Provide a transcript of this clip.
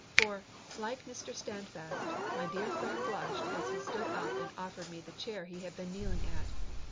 For, like Mr. Standfast, my dear friend blushed as he stood up and offered me the chair he had been kneeling at.